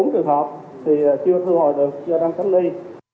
một mươi bốn trường hợp thì chưa thu hồi được chưa đang tránh ly